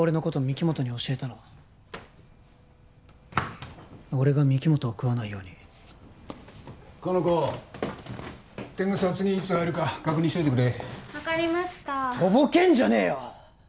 御木本に教えたのは俺が御木本を喰わないようにかの子天草は次いつ入るか確認しといてくれ分かりましたとぼけんじゃねえよ！